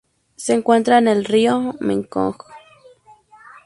Se encuentra en el río Mekong.